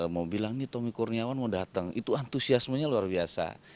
mau bilang nih tommy kurniawan mau datang itu antusiasmenya luar biasa